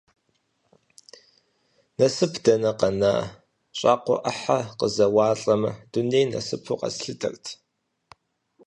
Насып дэнэ къэна, щӏакхъуэ ӏыхьэ къызэуалӏэмэ, дуней насыпу къэслъытэрт.